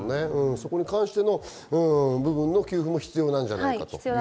そこの部分の給付も必要なんじゃないかと。